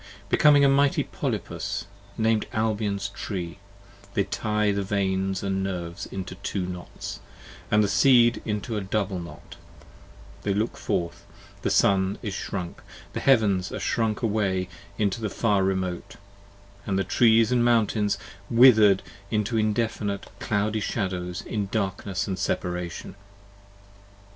Becoming A mighty Polypus nam'd Albion's Tree: they tie the Veins And Nerves into two knots: & the Seed into a double knot: 50 They look forth: the Sun is shrunk: the Heavens are shrunk Away into the far remote: and the Trees & Mountains wither'd Into indefinite cloudy shadows in darkness & separation.